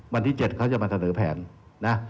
วันที่๗เขาจะมาเสนอแผนนะ